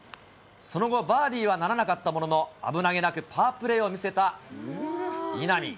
その後、バーディーはならなかったものの、危なげなく、パープレーを見せた稲見。